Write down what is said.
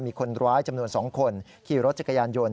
มีคนร้ายจำนวน๒คนขี่รถจักรยานยนต์